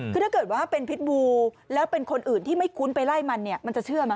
คือถ้าเกิดว่าเป็นพิษบูแล้วเป็นคนอื่นที่ไม่คุ้นไปไล่มันเนี่ยมันจะเชื่อไหม